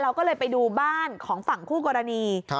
ก็เลยไปดูบ้านของฝั่งคู่กรณี